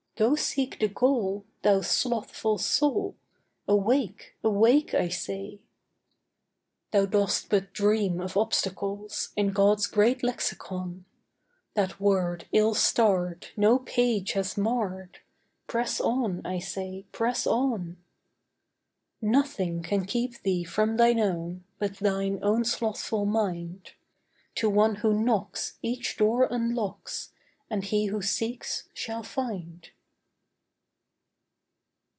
Go seek the goal, thou slothful soul, Awake, awake, I say. Thou dost but dream of obstacles; In God's great lexicon, That word illstarred, no page has marred; Press on, I say, press on. Nothing can keep thee from thine own But thine own slothful mind. To one who knocks, each door unlocks; And he who seeks, shall find.